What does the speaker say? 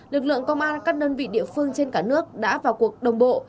lực lượng công an các đơn vị địa phương trên cả nước đã vào cuộc đồng bộ